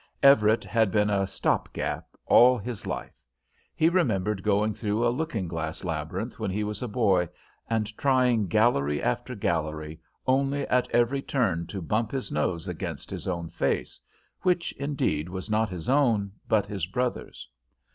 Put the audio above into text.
Everett had been a stop gap all his life. He remembered going through a looking glass labyrinth when he was a boy, and trying gallery after gallery, only at every turn to bump his nose against his own face which, indeed, was not his own, but his brother's.